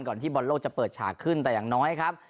ที่บอลโลกจะเปิดฉากขึ้นแต่อย่างน้อยครับ